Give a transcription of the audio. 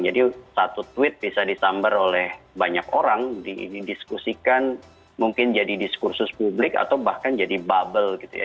jadi satu tweet bisa disambar oleh banyak orang didiskusikan mungkin jadi diskursus publik atau bahkan jadi bubble gitu ya